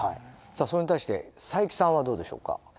それに対して佐伯さんはどうでしょうか？